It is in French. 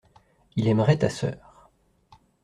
Il aimerait ta sœur.